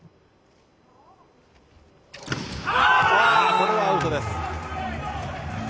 これはアウトです。